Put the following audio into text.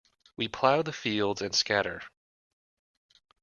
We plough the fields and scatter.